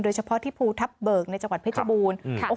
เฉพาะที่ภูทับเบิกในจังหวัดเพชรบูรณ์